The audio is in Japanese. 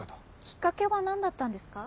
きっかけは何だったんですか？